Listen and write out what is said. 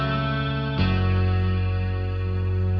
alia gak ada ajak rapat